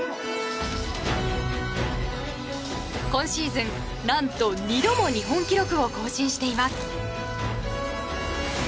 今シーズン何と２度も日本記録を更新しています。